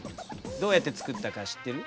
どうやって作ったか知ってる？